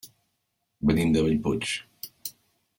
Venim de Bellpuig.